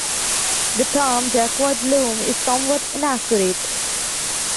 The term "Jacquard loom" is somewhat inaccurate.